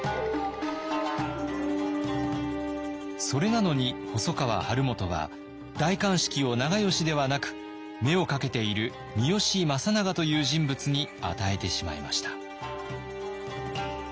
それなのに細川晴元は代官職を長慶ではなく目をかけている三好政長という人物に与えてしまいました。